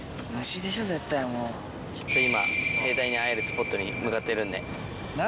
今兵隊に会えるスポットに向かってるんで。